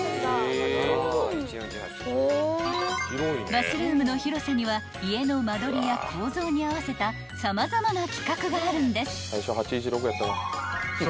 ［バスルームの広さには家の間取りや構造に合わせた様々な規格があるんです］